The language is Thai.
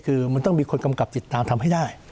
คือมันต้องมีคนกำกับติดตามทำให้ได้